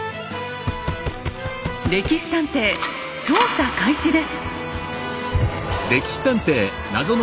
「歴史探偵」調査開始です。